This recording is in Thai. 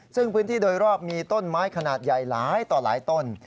ซึ่งพื้นที่โดยรอบมีต้นไม้ขนาดใหญ่หลายต่อหลายต้น